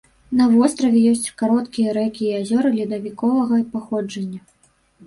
На востраве ёсць кароткія рэкі і азёры ледавіковага паходжання.